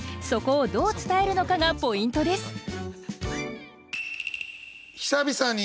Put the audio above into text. そこをどう伝えるのかがポイントです。